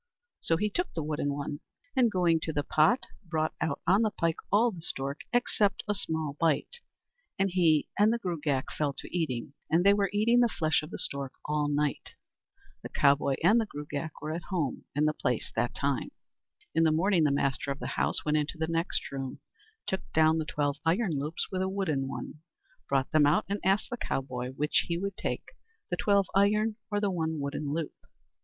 So he took the wooden one; and going to the pot, brought out on the pike all the stork except a small bite, and he and the Gruagach fell to eating, and they were eating the flesh of the stork all night. The cowboy and the Gruagach were at home in the place that time. In the morning the master of the house went into the next room, took down the twelve iron loops with a wooden one, brought them out, and asked the cowboy which would he take, the twelve iron or the one wooden loop.